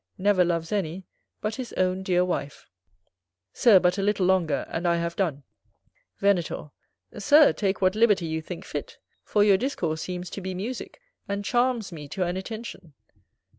Never loves any but his own dear wife. Sir, but a little longer, and I have done. Venator. Sir, take what liberty you think fit, for your discourse seems to be musick, and charms me to an attention.